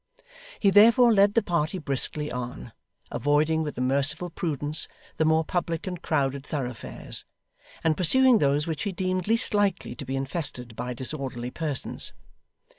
He therefore led the party briskly on, avoiding with a merciful prudence the more public and crowded thoroughfares, and pursuing those which he deemed least likely to be infested by disorderly persons.